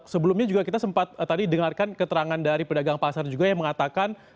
sebelumnya juga kita sempat tadi dengarkan keterangan dari pedagang pasar juga yang mengatakan